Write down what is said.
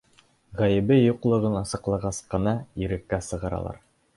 Ғәйебе юҡлығын асыҡлағас ҡына иреккә сығаралар.